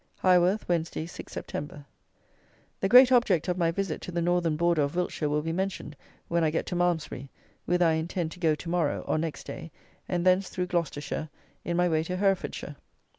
Highworth, Wednesday, 6th Sept. The great object of my visit to the Northern border of Wiltshire will be mentioned when I get to Malmsbury, whither I intend to go to morrow, or next day, and thence through Gloucestershire, in my way to Herefordshire.